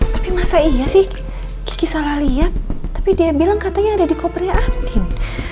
tapi masa iya sih kiki salah lihat tapi dia bilang katanya ada di kopernya amin